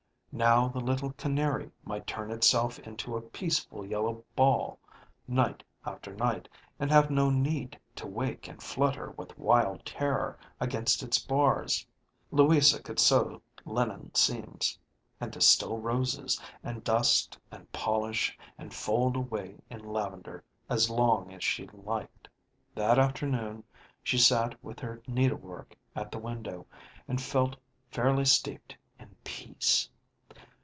Now the little canary might turn itself into a peaceful yellow ball night after night, and have no need to wake and flutter with wild terror against its bars. Louisa could sew linen seams, and distil roses, and dust and polish and fold away in lavender, as long as she listed. That afternoon she sat with her needle work at the window, and felt fairly steeped in peace.